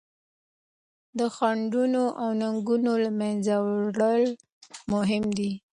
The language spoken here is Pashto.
د خنډونو او ننګونو له منځه وړل مهم دي.